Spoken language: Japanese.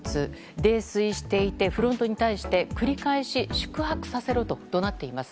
泥酔していて、フロントに対して繰り返し宿泊させろと怒鳴っています。